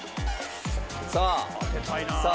さあさあ